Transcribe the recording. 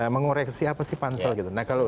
mengoreksi apa sih pansel gitu nah kalau